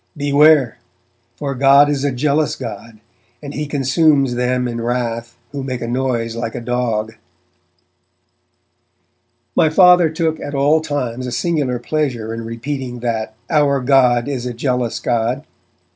Beware! for God is a jealous God and He consumes them in wrath who make a noise like a dog.' My Father took at all times a singular pleasure in repeating that 'our God is a jealous God'.